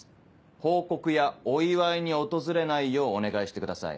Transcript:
報告やお祝いに訪れないようお願いしてください。